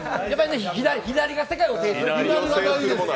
左が世界を制する。